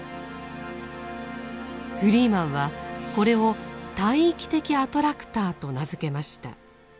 フリーマンはこれを「大域的アトラクター」と名付けました。